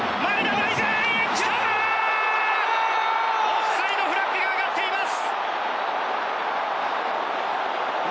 オフサイドフラッグが上がっています。